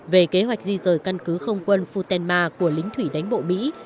về kế hoạch di rời căn cứ không quân futenma của lính thủy đánh bộ mỹ